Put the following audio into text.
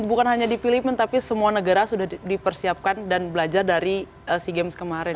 bukan hanya di filipina tapi semua negara sudah dipersiapkan dan belajar dari sea games kemarin